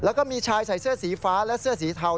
แล้วก็มีชายใส่เสื้อสีฟ้าและเสื้อสีเทา